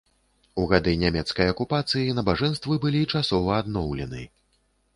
У гады нямецкай акупацыі набажэнствы былі часова адноўлены.